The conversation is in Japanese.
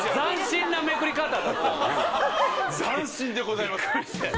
斬新でございます